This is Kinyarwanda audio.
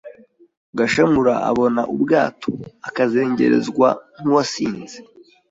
Gashamura Abona ubwato Akazengerezwa nk’uwasinze